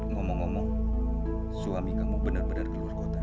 ngomong ngomong suami kamu benar benar keluar kota